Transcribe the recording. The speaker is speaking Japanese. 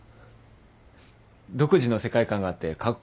独自の世界観があってカッコイイよ。